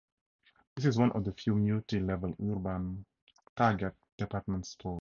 This is one of the few multi-level "Urban" Target department stores.